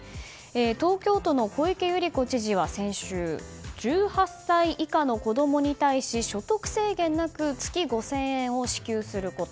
東京都の小池百合子知事は先週１８歳以下の子供に対し所得制限なく月５０００円を支給すること。